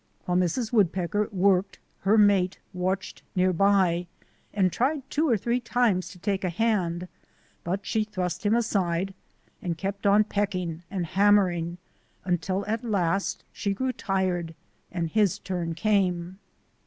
While Mrs. Wood pecker worked her mate watched near by and tried two or three times to take a hand, but she thrust him aside and kept on pecking and hammering until at last she grew tired and his turn came.